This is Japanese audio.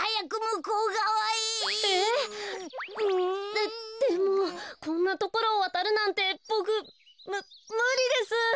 ででもこんなところをわたるなんてボクむむりです。